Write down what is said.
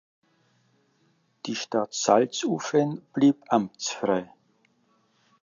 Die Stadt Salzuflen blieb amtsfrei.